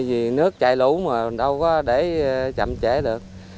giá lúa mà đâu có để chậm trễ được